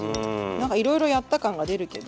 何かいろいろやった感が出るけど。